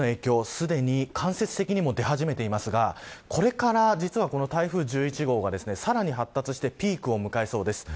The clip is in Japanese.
すでに間接的にも出始めていますがこれから台風１１号はさらに発達してピークを迎えそうです。